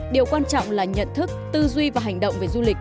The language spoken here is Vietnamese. điều quan trọng là nhận thức tư duy và hành động về du lịch